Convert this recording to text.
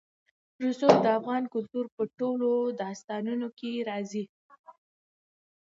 رسوب د افغان کلتور په ټولو داستانونو کې راځي.